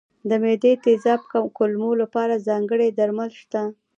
د معدې تېزاب کمولو لپاره ځانګړي درمل شته.